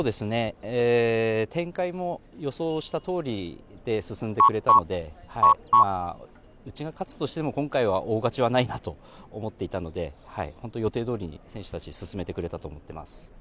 展開も予想したとおりで進んでくれたのでうちが勝つとしても、今回は大勝ちはないなと思っていたので予定通りに選手たち、進めてくれたと思っています。